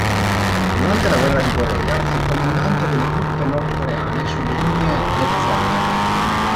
Durante la Guerra di Corea fu comandante delle truppe nordcoreane sulle linee del fronte.